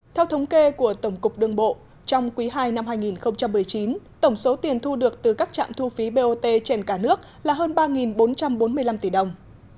theo thống kê của tổng cục đường bộ trong quý ii năm hai nghìn một mươi chín tổng số tiền thu được từ các trạm thu phí bot trên cả nước là hơn ba bốn trăm bốn mươi năm tỷ đồng